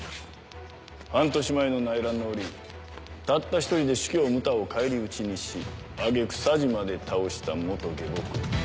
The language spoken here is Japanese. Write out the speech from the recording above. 半年前の内乱の折たった１人で朱凶ムタを返り討ちにし挙げ句左慈まで倒した下僕。